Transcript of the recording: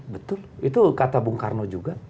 betul itu kata bung karno juga